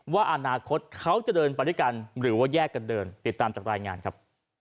ว่าอนาคตเขาจะเดินไปด้วยกันหรือว่าแยกกันเดินติดตามจากรายงานครับ